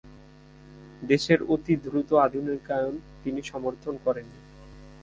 দেশের অতি দ্রুত আধুনিকায়ন তিনি সমর্থন করেননি।